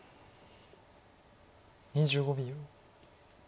２５秒。